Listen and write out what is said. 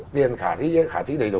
tiền khả thi đầy đủ